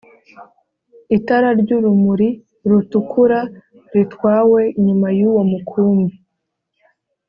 itara ry'urumuri rutukura ritwawe inyuma y'uwo mukumbi